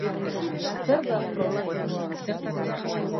Zer da prolatiboa?